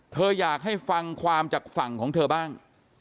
อยากให้ฟังความจากฝั่งของเธอบ้าง